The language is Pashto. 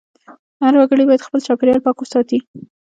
هر وګړی باید خپل چاپېریال پاک وساتي.